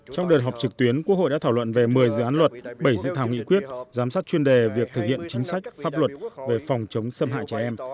trong đợt họp trực tuyến quốc hội đã thảo luận về một mươi dự án luật bảy dự thảo nghị quyết giám sát chuyên đề việc thực hiện chính sách pháp luật về phòng chống xâm hại trẻ em